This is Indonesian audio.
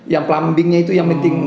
yang pelambingnya itu yang penting